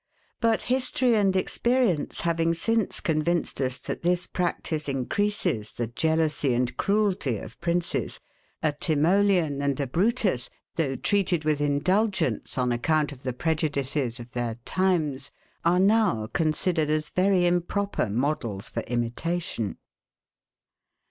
But history and experience having since convinced us, that this practice increases the jealousy and cruelty of princes, a Timoleon and a Brutus, though treated with indulgence on account of the prejudices of their times, are now considered as very improper models for imitation.